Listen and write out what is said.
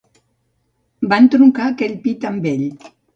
Van troncar aquell pi tan vell.